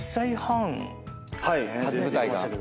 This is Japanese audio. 初舞台が。